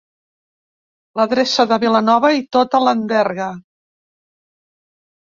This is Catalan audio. L'adreça de Vilanova i tota l'enderga.